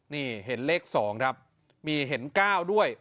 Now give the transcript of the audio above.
นี่เห็นเลข๒ครับมีเห็น๙ด้วย